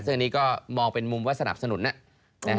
ซึ่งอันนี้ก็มองเป็นมุมว่าสนับสนุน